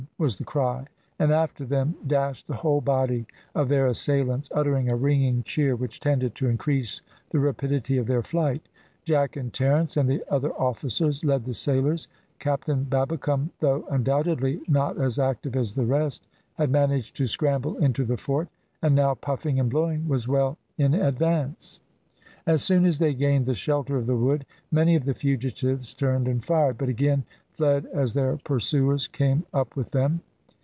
was the cry, and after them dashed the whole body of their assailants uttering a ringing cheer which tended to increase the rapidity of their flight. Jack and Terence, and the other officers led the sailors. Captain Babbicome, though undoubtedly not as active as the rest, had managed to scramble into the fort, and now puffing and blowing was well in advance. As soon as they gained the shelter of the wood, many of the fugitives turned and fired, but again fled as their pursuers came up with them.